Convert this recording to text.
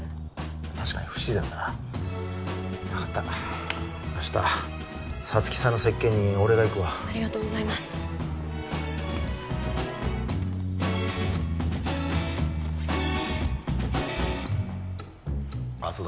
確かに不自然だな分かった明日皐月さんの接見に俺が行くわありがとうございますそうだ